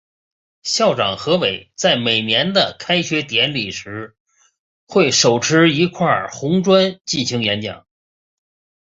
校长何伟在每年的开学典礼时会手持一块红砖进行演讲。